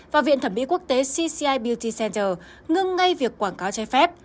và viện thẩm mỹ quốc tế cci bout center ngưng ngay việc quảng cáo trái phép